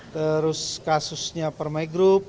terus kasusnya permai group